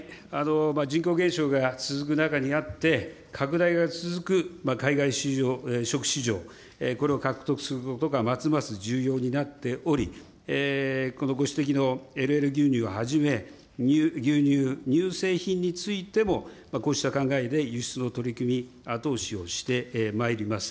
人口減少が続く中にあって、拡大が続く海外食市場、これを獲得することがますます重要になっており、このご指摘のＬＬ牛乳をはじめ、牛乳、乳製品についても、こうした考えで輸出の取り組み、後押しをしてまいります。